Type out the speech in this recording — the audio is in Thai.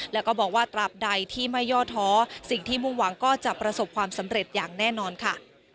แล้วก็บอกว่าตราบใดที่ไม่ย่อท้อสิ่งที่มุ่งหวังก็จะประสบความสำเร็จอย่างแน่นอนค่ะ